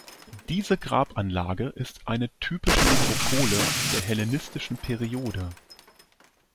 Diese Grabanlage ist eine typische Nekropole der hellenistischen Periode.